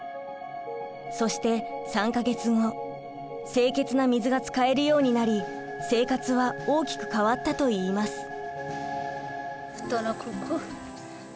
そして３か月後清潔な水が使えるようになり生活は大きく変わったといいます。